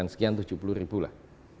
enam puluh sembilan sekian tujuh puluh lah